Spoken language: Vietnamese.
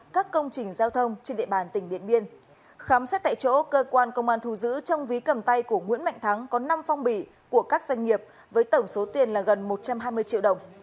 công an hà giang có năm phong bỉ của các doanh nghiệp với tổng số tiền là gần một trăm hai mươi triệu đồng